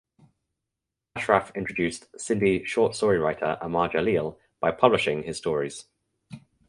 Ashraf introduced Sindhi short story writer Amar Jaleel by publishing his stories.